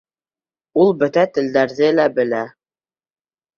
Ул бөтә телдәрҙе лә белә.